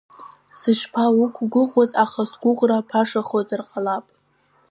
Сышԥауқәгәыӷуаз, аха сгәыӷра башахозар ҟалап.